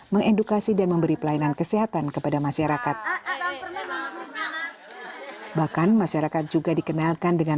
mengedukasi dan memberi pelayanan kesehatan kepada masyarakat bahkan masyarakat juga dikenalkan dengan